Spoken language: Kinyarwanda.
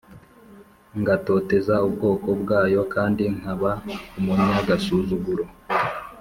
ngatoteza ubwoko bwayo kandi nkaba umunyagasuzuguro